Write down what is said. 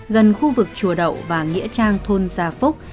gần khu vực chùa đậu và nghĩa trang thôn gia phúc